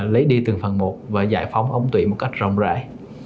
lấy đi từng phần một và giải phóng ống tủy một cách rộng rãi